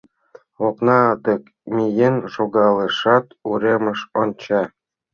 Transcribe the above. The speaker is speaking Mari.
Окна дек миен шогалешат, уремыш онча.